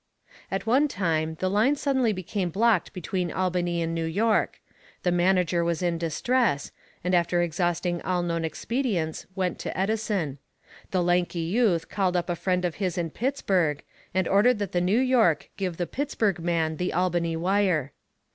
At one time, the line suddenly became blocked between Albany and New York. The manager was in distress, and after exhausting all known expedients went to Edison. The lanky youth called up a friend of his in Pittsburgh and ordered that New York give the Pittsburgh man the Albany wire.